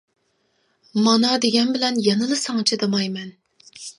مانا دېگەن بىلەن يەنىلا ساڭا چىدىمايمەن.